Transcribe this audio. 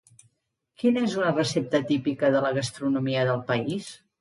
Quina és una recepta típica de la gastronomia del país?